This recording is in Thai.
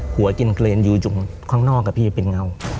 หัวกินเกรนอยู่ข้างนอกกับพี่เป็นเงา